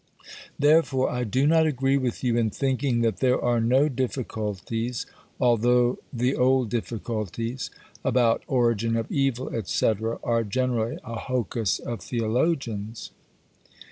Therefore I do not agree with you in thinking that there are no difficulties, although the old difficulties, about origin of evil &c., are generally a hocus of Theologians.